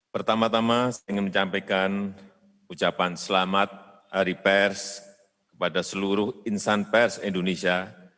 pertama tama saya ingin mencapaikan ucapan selamat hari pers kepada seluruh insan pers indonesia